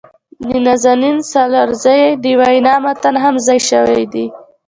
د نازنین سالارزي د وينا متن هم ځای شوي دي.